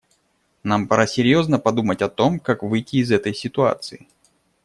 Нам пора серьезно подумать о том, как выйти из этой ситуации.